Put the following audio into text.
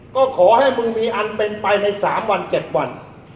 ก็ขอให้มึงมีอันเป็นไปใน๓วัน๗วัน